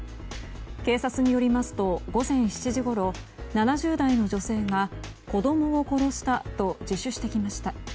警察によりますと、午前７時ごろ７０代の女性が、子供を殺したと自首してきました。